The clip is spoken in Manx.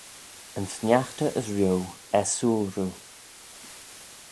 Yn sniaghtey as rio ersooyl roo.